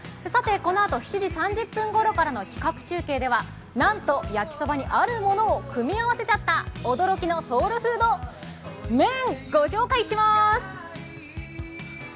このあと、７時３０分ごろからの企画中継ではなんとやきそばにあるものを組み合わせちゃった、驚きのソウルフード麺ご紹介します！